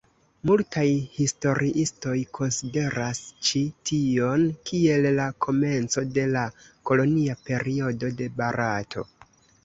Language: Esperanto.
Multaj historiistoj konsideras ĉi tion kiel la komenco de la kolonia periodo de Barato.